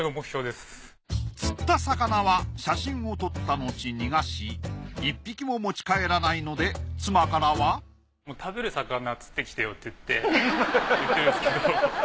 釣った魚は写真を撮ったのち逃がし１匹も持ち帰らないので妻からは「食べる魚釣ってきてよ！」って言ってるんですけど。